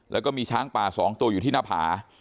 แล้วก็มีช้างป่า๒ตัวอยู่ที่หน้าผา